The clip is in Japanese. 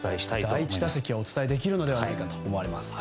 第１打席はお伝えできるのではないかと思います。